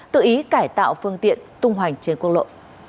tự ý cải tạo phương tiện tung hoành trên quốc lộ